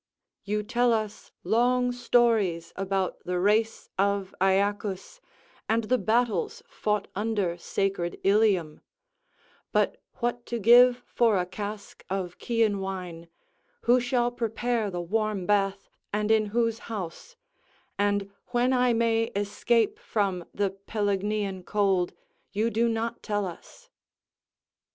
["You tell us long stories about the race of AEacus, and the battles fought under sacred Ilium; but what to give for a cask of Chian wine, who shall prepare the warm bath, and in whose house, and when I may escape from the Pelignian cold, you do not tell us."